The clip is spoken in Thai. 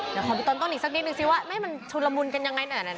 เดี๋ยวขอดูตอนต้นอีกสักนิดนึงสิว่ามันชุนละมุนกันยังไง